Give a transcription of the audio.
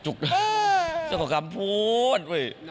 จุกกับกรรมพูด